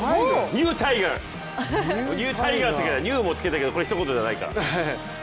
ニュータイガー、ニューをつけたらひと言じゃないか。